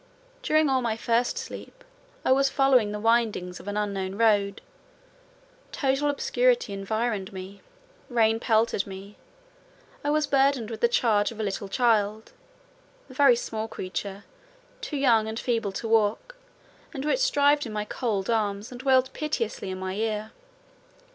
During all my first sleep, I was following the windings of an unknown road; total obscurity environed me; rain pelted me; I was burdened with the charge of a little child: a very small creature, too young and feeble to walk, and which shivered in my cold arms, and wailed piteously in my ear.